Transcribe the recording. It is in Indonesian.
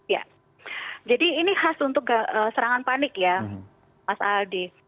ya jadi ini khas untuk serangan panik ya mas aldi